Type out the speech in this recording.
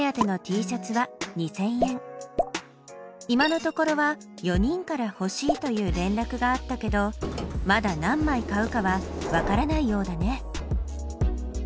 今のところは４人から欲しいという連絡があったけどまだ何枚買うかはわからないようだね。